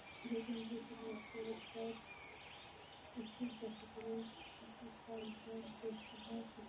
এরকম জটিল বাস্তবতায় আশির দশকের কায়দায় দেশ চালানোর খেসারত অনেক বেশি।